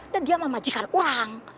dan dia mah majikan orang